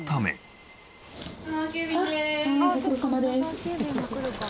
ああご苦労さまです。